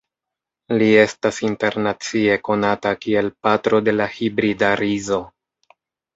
Li estas internacie konata kiel "patro de la hibrida rizo".